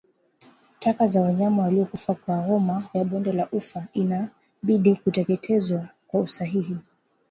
Taka za wanyama waliokufa kwa homa ya bonde la ufa inabidi kuteketezwa kwa usahihi